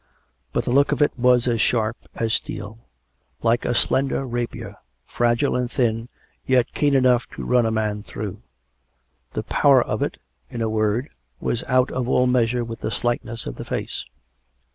But the look of it was as sharp as steel; like a slender rapier, fragile and thin, yet keen enough to run a man through. The power of it, in a word, was out of all measure with the slightness of the face.